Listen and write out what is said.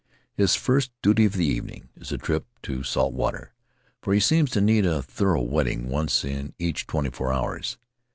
His first duty of the evening is a trip to salt water, for he seems to need a thorough wetting once in each twenty four hours.